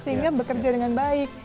sehingga bekerja dengan baik